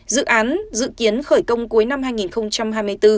dự án dự kiến khởi công cuối năm hai nghìn hai mươi bốn